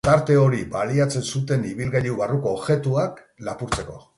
Tarte hori baliatzen zuten ibilgailu barruko objektuak lapurtzeko.